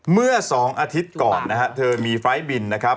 เมื่อ๒อาทิตย์ก่อนนะฮะเธอมีไฟล์บินนะครับ